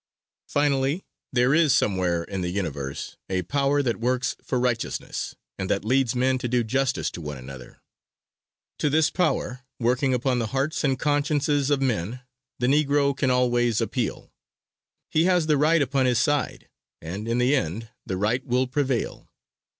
Finally, there is, somewhere in the Universe a "Power that works for righteousness," and that leads men to do justice to one another. To this power, working upon the hearts and consciences of men, the Negro can always appeal. He has the right upon his side, and in the end the right will prevail.